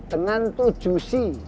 dengan tujuh c